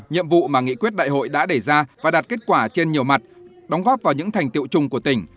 nhiệm vụ mà nghị quyết đại hội đã đề ra và đạt kết quả trên nhiều mặt đóng góp vào những thành tiệu chung của tỉnh